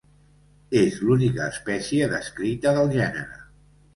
És l'única espècie descrita del gènere.